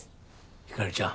ひかりちゃん